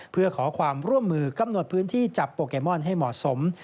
เพื่อขอความร่วมมือกำหนดพื้นที่จับโปเกมอนให้เหมาะสม